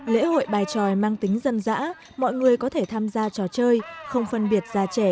lễ hội bài tròi mang tính dân dã mọi người có thể tham gia trò chơi không phân biệt già trẻ